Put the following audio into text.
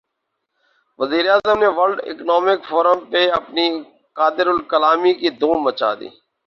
وزیر اعظم نے ورلڈ اکنامک فورم پہ اپنی قادرالکلامی کی دھوم مچا دی